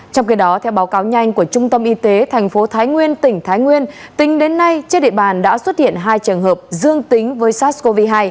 trong khi đó theo báo cáo nhanh của trung tâm y tế thành phố thái nguyên tỉnh thái nguyên tính đến nay trên địa bàn đã xuất hiện hai trường hợp dương tính với sars cov hai